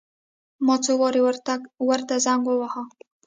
ما څو وارې ورته زنګ وواهه.